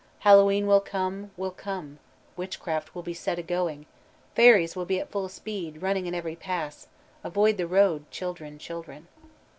"Hallowe'en will come, will come, Witchcraft will be set a going, Fairies will be at full speed, Running in every pass. Avoid the road, children, children."